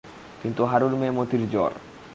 কিন্তু হারুর মেয়ে মতির জ্বর।